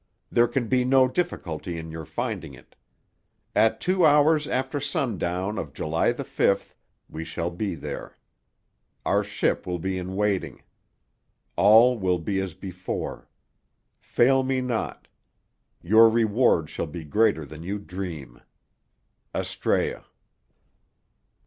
There can be no difficulty in your finding it. At two hours after sundown of July the fifth we shall be there. Our ship will be in waiting. All will be as before. Fail me not. Your reward shall be greater than you dream. _Astræa.